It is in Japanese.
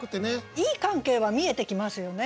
いい関係は見えてきますよね。